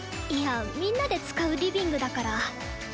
いやみんなで使うリビングだから。